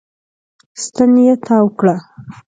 ستن يې تاو کړه.